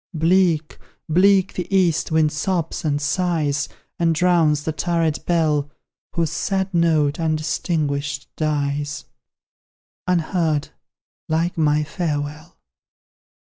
Bleak, bleak the east wind sobs and sighs, And drowns the turret bell, Whose sad note, undistinguished, dies Unheard, like my farewell!